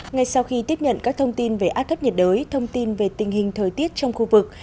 ngay sau khi tiếp nhận các thông tin về áp thấp nhiệt đới thông tin về tình hình thời tiết trong khu vực